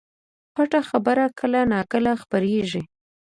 پټه خبره کله نا کله خپرېږي